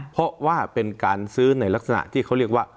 เพราะว่าเป็นการซื้อในลักษณะที่เขาเรียกว่า